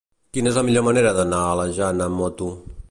Quina és la millor manera d'anar a la Jana amb moto?